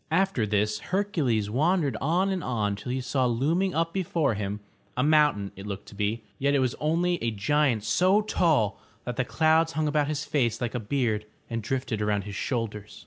After this Hercules wandered on and on till he saw looming up before him, — a mountain it looked to be, yet it was only a giant so tall that the clouds hung about his face like a beard and drifted around his shoulders.